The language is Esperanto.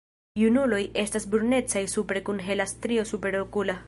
Junuloj estas brunecaj supre kun hela strio superokula.